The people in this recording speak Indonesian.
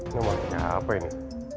ini rumah siapa ini